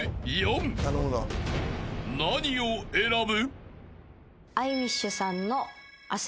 ［何を選ぶ？］